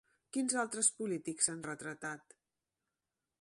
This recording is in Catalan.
Quins altres polítics s'han retratat?